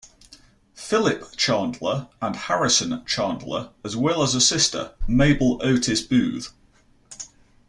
Philip Chandler and Harrison Chandler, as well as a sister, Mabel Otis Booth.